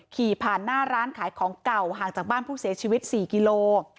ขี่ผ่านหน้าร้านขายของเก่าห่างจากบ้านผู้เสียชีวิต๔กิโล